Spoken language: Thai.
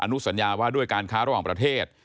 นุสัญญาว่าด้วยการค้าระหว่างประเทศ